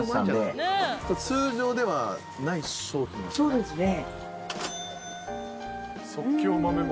そうですね。